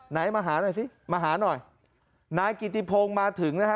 ไหนมาหาหน่อยสิมาหาหน่อยนายกิติพงศ์มาถึงนะฮะ